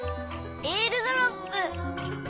えーるドロップ！